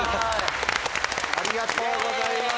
ありがとうございます。